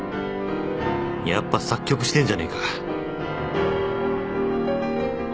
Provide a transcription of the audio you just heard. やっぱ作曲してんじゃねえか